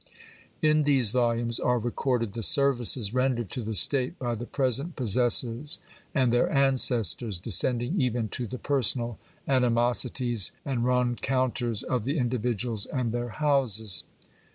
In these volumes are recorded the services rendered to the state by the present possessors and their ancestors, descending even to the personal ani mosities and rencounters of the individuals and their houses.